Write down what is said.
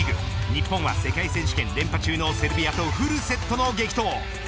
日本は世界選手権連覇中のセルビアとフルセットの激闘。